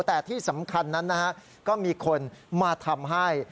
แต่ที่สำคัญนั้นนะฮะก็มีคนมาทำให้